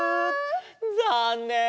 ざんねん！